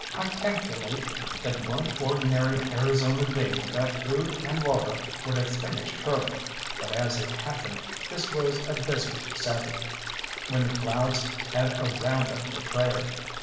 I calculate that one ordinary Arizona day without food and water would have finished Curly, but as it happened this was a desert Sabbath, when the clouds had a round up for prayer.